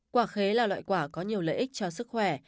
quả khế là loại quả có nhiều lợi ích cho sức khỏe